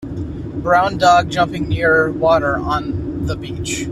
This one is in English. Brown dog jumping near water on the beach.